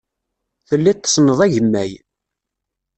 Telliḍ tessneḍ agemmay.